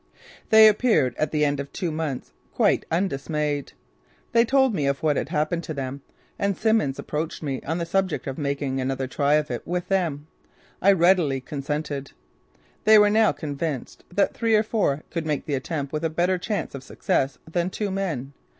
They appeared at the end of two months, quite undismayed. They told me of what had happened to them and Simmons approached me on the subject of making another try of it with them. I readily consented. They were now convinced that three or four could make the attempt with a better chance of success than two men.